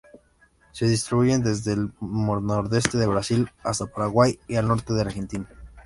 Se distribuyen desde el nordeste de Brasil hasta Paraguay y el norte de Argentina.